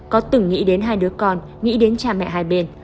có từng nghĩ đến hai đứa con nghĩ đến cha mẹ hai bên